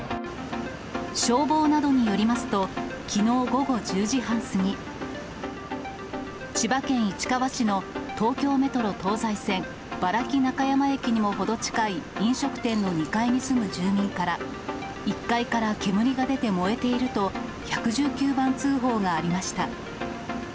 消防などによりますと、きのう午後１０時半過ぎ、千葉県市川市の東京メトロ東西線原木中山駅にもほど近い飲食店の２階に住む住民から、１階から煙が出て燃えていると、１１９番通報がありました。